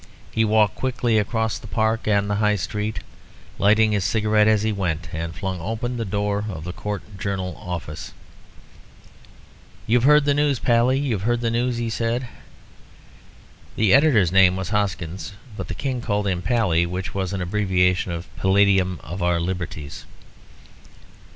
He walked quickly across the Park and the High Street, lighting his cigarette as he went, and flung open the door of the Court Journal office. "You've heard the news, Pally you've heard the news?" he said. The Editor's name was Hoskins, but the King called him Pally, which was an abbreviation of Paladium of our Liberties.